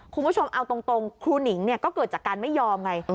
คุณผู้ชมเอาตรงครูหนิงก็เกิดจากการไม่ยอมไง